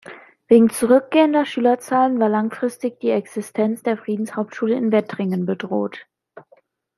Wegen zurückgehender Schülerzahlen war langfristig die Existenz der Friedens-Hauptschule in Wettringen bedroht.